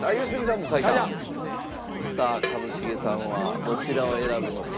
さあ一茂さんはどちらを選ぶのか。